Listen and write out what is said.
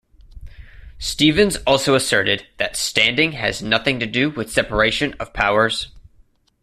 Stevens also asserted that standing has nothing to do with separation of powers.